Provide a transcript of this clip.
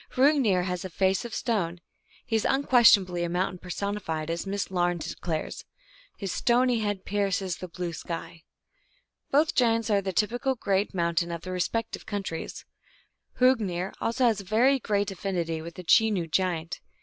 Hrungnir has a face of stone ; he is unquestionably a mountain personified, as Miss Lamed declares :" His stony head pierces the blue sky." * Both giants are the typical great mountain of their respective countries. Hrungnir has also very great affinity with the Chenoo giant.